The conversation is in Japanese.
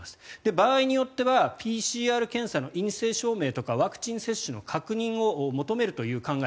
場合によってはＰＣＲ検査の陰性証明とかワクチン接種の確認を求めるという考え